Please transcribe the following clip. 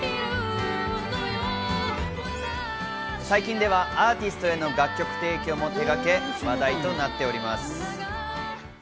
最近ではアーティストへの楽曲提供も手がけ、話題となっております。